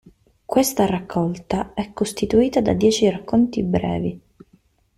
Questa raccolta è costituita da dieci racconti brevi.